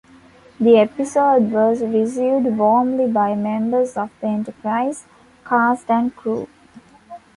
The episode was received warmly by members of the "Enterprise" cast and crew.